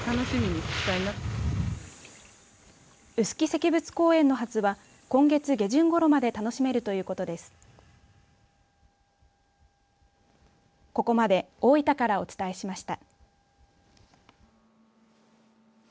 臼杵石仏公園のハスは今月下旬ごろまで楽しめるということです。